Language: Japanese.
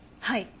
はい。